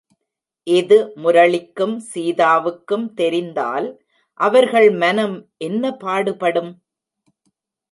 இது முரளிக்கும் சீதாவுக்கும் தெரிந்தால், அவர்கள் மனம் என்ன பாடுபடும்!